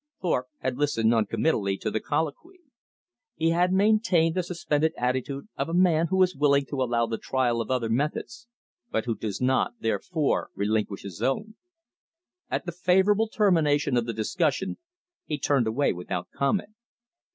Thorpe had listened non committally to the colloquy. He had maintained the suspended attitude of a man who is willing to allow the trial of other methods, but who does not therefore relinquish his own. At the favorable termination of the discussion he turned away without comment.